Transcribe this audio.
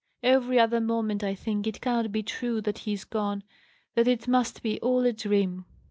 Every other moment I think it cannot be true that he is gone that it must be all a dream."